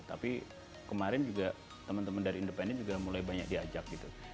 tapi kemarin juga teman teman dari independen juga mulai banyak diajak gitu